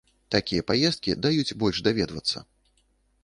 Такія паездкі даюць больш даведвацца.